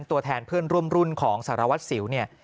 ตัวแทนเพื่อนร่วมรุ่นของสารวัตรสิวเนี่ย